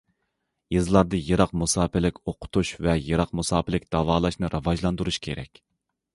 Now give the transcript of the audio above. يېزىلاردا يىراق مۇساپىلىك ئوقۇتۇش ۋە يىراق مۇساپىلىك داۋالاشنى راۋاجلاندۇرۇش كېرەك.